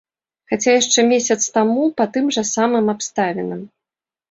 Хаця яшчэ месяц таму па тым жа самым абставінам.